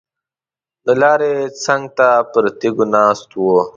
د لارې څنګ ته پر تیږو ناست وو.